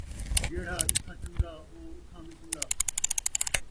جیڑھا اِتھاں چن٘ڳا، او اُتھاں وی چن٘ڳا